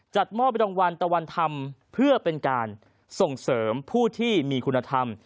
มอบรางวัลตะวันธรรมเพื่อเป็นการส่งเสริมผู้ที่มีคุณธรรม